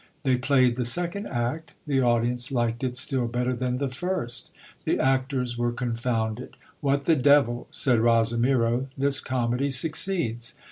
They played the second act ; the audience liked it still better than the first. The actors were confounded. What the devil, said, Rosimiro, this comedy succeeds